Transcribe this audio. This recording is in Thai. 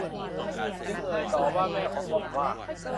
จึงเอ่ยต่อว่าแม่ของตนว่า